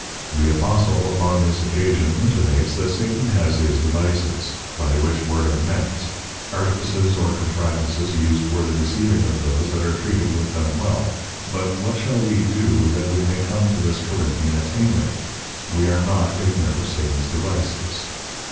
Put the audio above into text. The Apostle upon this Occasion, intimates, That Satan has his Devices; by which word are meant, Artifices or Contrivances used for the Deceiving of those that are Treated with them well, But what shall we do that we may come to this Corinthian Attainment, _We are not Ignorant of Satan's Devices?